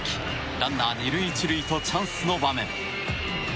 ランナー２塁１塁とチャンスの場面。